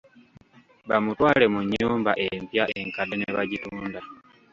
Bamutwale mu nnyumba empya enkadde ne bagitunda.